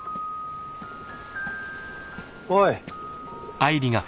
おい！